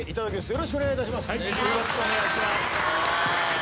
よろしくお願いします。